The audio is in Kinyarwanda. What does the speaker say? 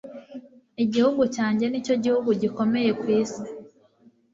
Igihugu cyanjye nicyo gihugu gikomeye ku isi